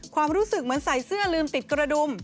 ความรู้สึกเหมือนใส่เสื้อลืมติดกระดุม